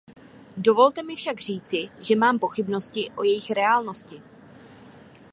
Dovolte mi však říci, že mám pochybnosti o jejich reálnosti.